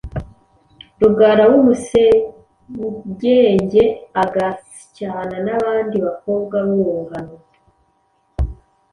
Rugara w’Umusegenge. Agasyana n’abandi bakobwa b’urungano.